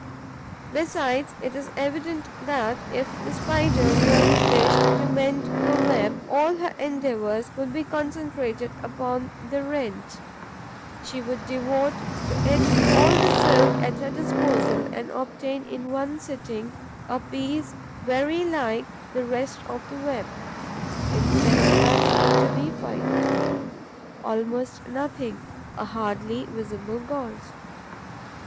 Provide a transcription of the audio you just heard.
Besides, it is evident that, if the Spider really wished to mend her web, all her endeavours would be concentrated upon the rent. She would devote to it all the silk at her disposal and obtain in one sitting a piece very like the rest of the web. Instead of that, what do we find? Almost nothing: a hardly visible gauze.